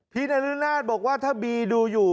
นรุนาศบอกว่าถ้าบีดูอยู่